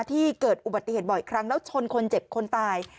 ที่เกิดอุบัติเหตุบ่อยครั้งแล้วชนคนเจ็บคนตาย